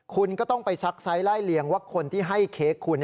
คุณก็ต้องไปซักไซส์ไล่เลียงว่าคนที่ให้เค้กคุณ